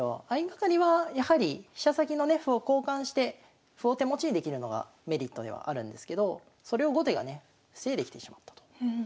相掛かりはやはり飛車先のね歩を交換して歩を手持ちにできるのがメリットではあるんですけどそれを後手がね防いできてしまったと。